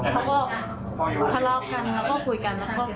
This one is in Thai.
เขาก็ทะเลาะกันแล้วก็คุยกัน